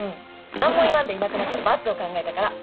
何も言わんでいなくなった罰を考えたから。